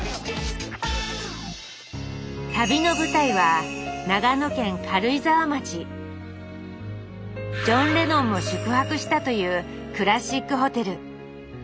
旅の舞台はジョン・レノンも宿泊したというクラシックホテル。